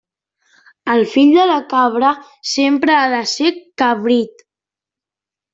El fill de la cabra sempre ha de ser cabrit.